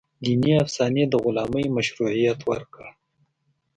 دیني افسانې د غلامۍ مشروعیت ورکړ.